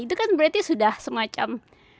itu kan berarti sudah semacam